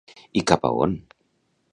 I cap a on?